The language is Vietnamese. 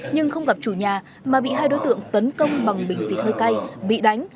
nhưng không gặp chủ nhà mà bị hai đối tượng tấn công bằng bình xịt hơi cay bị đánh